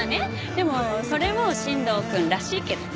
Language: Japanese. でもそれも新藤くんらしいけどね。